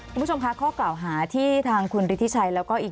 คุณผู้ชมคะข้อกล่าวหาที่ทางคุณฤทธิชัยแล้วก็อีก